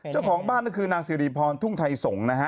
เจ้าของบ้านก็คือนางสิริพรทุ่งไทยสงฆ์นะฮะ